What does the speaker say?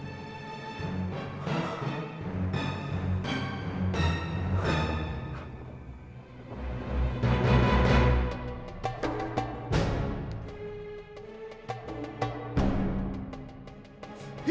pada saat ini